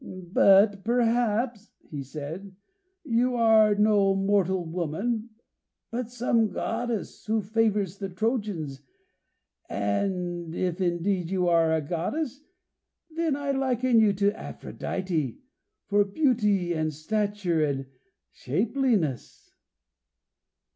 "But perhaps," he said, "you are no mortal woman, but some goddess who favours the Trojans, and if indeed you are a goddess then I liken you to Aphrodite, for beauty, and stature, and shapeliness."